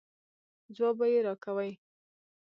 ځواب به یې راکوئ.